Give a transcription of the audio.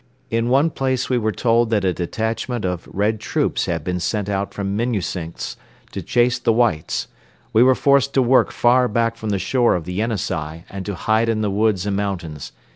In one place we were told that a detachment of Red troops had been sent out from Minnusinsk to chase the Whites. We were forced to work far back from the shore of the Yenisei and to hide in the woods and mountains.